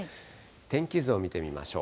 天気図を見てみましょう。